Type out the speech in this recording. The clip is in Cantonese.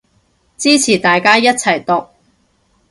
支持大家一齊毒